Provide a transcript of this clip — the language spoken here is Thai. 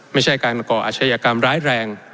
ไม่ใช่การมาก่ออาชญากรรมร้ายแรง